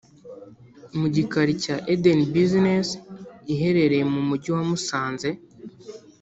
Mu gikari cya “Eden Busines” iherereye mu Mujyi wa Musanze